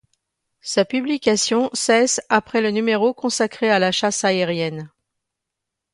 Sa publication cesse après le numéro consacré à la chasse aérienne.